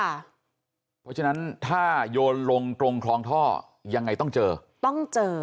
เพราะฉะนั้นถ้าโยนลงตรงคลองท่อยังไงต้องเจอต้องเจอ